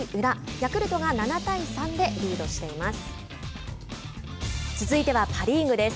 ヤクルトが７対３でリードしています。